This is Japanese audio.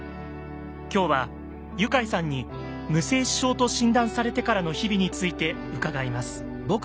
今日はユカイさんに無精子症と診断されてからの日々について伺います。